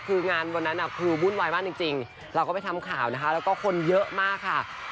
คืองานวันนั้นคือวุ่นวายมากจริงเราก็ไปทำข่าวนะคะแล้วก็คนเยอะมากค่ะ